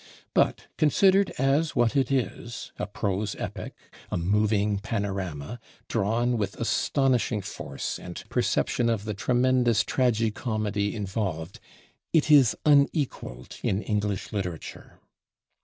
But considered as what it is, a "prose epic," a moving panorama, drawn with astonishing force and perception of the tremendous tragi comedy involved, it is unequaled in English literature.